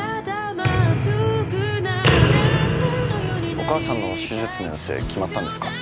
お母さんの手術の予定決まったんですか？